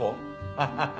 ハハハハ！